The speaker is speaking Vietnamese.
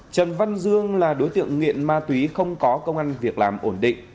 trần văn dương là đối tượng nghiện ma túy không có công an việc làm ổn định